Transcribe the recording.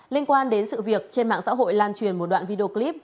liên quan đến sự việc trên mạng xã hội lan truyền một đoạn video clip